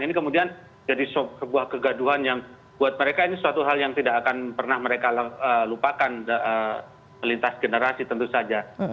ini kemudian jadi sebuah kegaduhan yang buat mereka ini suatu hal yang tidak akan pernah mereka lupakan melintas generasi tentu saja